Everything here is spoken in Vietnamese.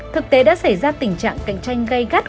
thực tế đã xảy ra tình trạng cạnh tranh gây gắt